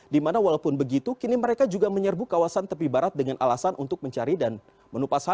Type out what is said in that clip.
dimana walaupun begitu kini mereka juga menyerbu kawasan tepi barat dengan alasan untuk mencari dan menupas